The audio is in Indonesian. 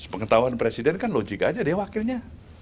pengetahuan presiden kan logik aja dia wakilnya